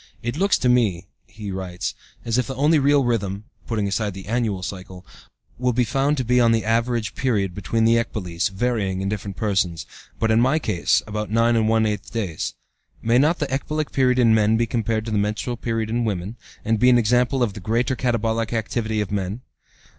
"It looks to me," he writes, "as if the only real rhythm (putting aside the annual cycle) will be found to be the average period between the ecboles, varying in different persons, but in my case, about nine and one eighth days. May not the ecbolic period in men be compared to the menstrual period in women, and be an example of the greater katabolic activity of men?